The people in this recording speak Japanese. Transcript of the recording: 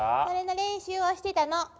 それの練習をしてたの。